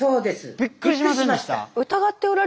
びっくりしました？